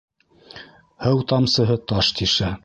Һыу тамсыһы таш тишә.